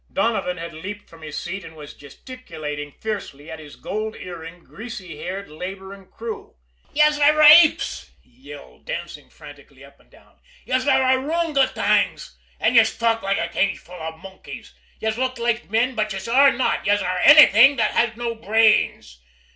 Donovan had leaped from his seat, and was gesticulating fiercely at his gold earringed, greasy haired laboring crew. "Yez are apes!" he yelled, dancing frantically up and down. "Yez are oorang ootangs! An' yez talk like a cageful av monkeys! Yez look loike men, but yez are not! Yez are annything that has no brains!